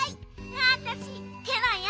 わたしケロよ。